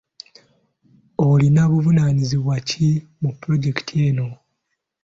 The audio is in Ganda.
Olina buvunaanyizibwa ki mu pulojekiti eno?